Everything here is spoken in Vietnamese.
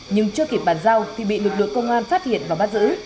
nhưng chưa kịp bàn giao thì bị lực lượng công an phát hiện và bắt giữ